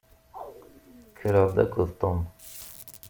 Kkreɣ-d akked Tom.